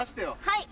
はい。